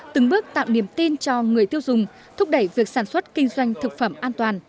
từng bước tạo niềm tin cho người tiêu dùng thúc đẩy việc sản xuất kinh doanh thực phẩm an toàn